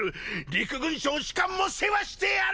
陸軍省仕官も世話してやる！